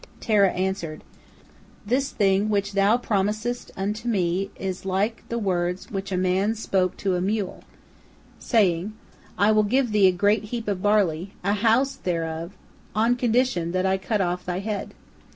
Terah answered: "This thing which thou promisest unto me is like the words which a man spoke to a mule, saying, 'I will give thee a great heap of barley, a houseful thereof, on condition that I cut off thy head!'